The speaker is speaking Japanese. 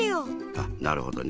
あなるほどね。